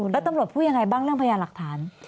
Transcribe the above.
แล้วตำรวจพูดยังไงบ้างเรื่องพยานหลักฐาน